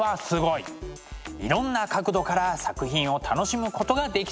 いろんな角度から作品を楽しむことができそうです。